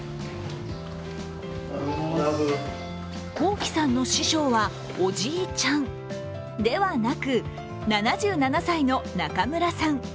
昂輝さんの師匠はおじいちゃんではなく、７７歳の中村さん。